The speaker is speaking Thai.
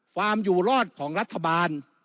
ความอยู่รอดของรัฐบาล